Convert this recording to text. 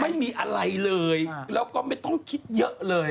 ไม่มีอะไรเลยแล้วก็ไม่ต้องคิดเยอะเลย